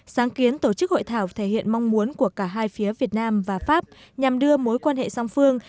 sáng kiến tổ chức hội thảo thể hiện mong muốn của cả hai phía việt nam và pháp nhằm đưa mối quan hệ song phương